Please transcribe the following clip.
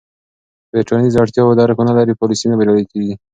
که د ټولنیزو اړتیاوو درک ونه لرې، پالیسۍ نه بریالۍ کېږي.